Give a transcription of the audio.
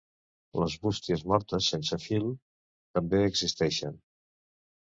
Les bústies mortes sense fil també existeixen.